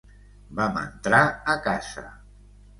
Vam entrar a casa.